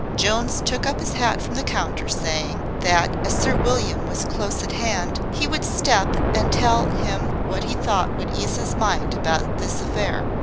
Jones took up his hat from the counter, saying, that as Sir William was close at hand, he would step and tell him what he thought would ease his mind about this affair.